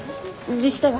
自治体は？